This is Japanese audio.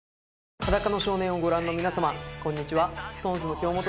『裸の少年』をご覧の皆様こんにちは。